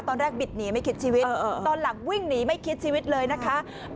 บิดหนีไม่คิดชีวิตตอนหลังวิ่งหนีไม่คิดชีวิตเลยนะคะ